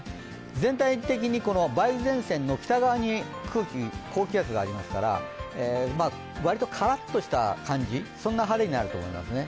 全体的に梅雨前線の北側に高気圧がありますから、わりとカラッとした感じそんな晴れになりそうですね。